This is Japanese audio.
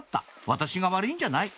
「私が悪いんじゃない」